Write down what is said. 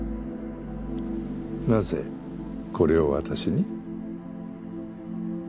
なぜこれを私に？